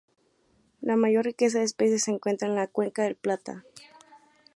La mayor riqueza de especies se encuentra en la cuenca del Plata.